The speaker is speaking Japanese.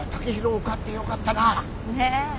ねえ。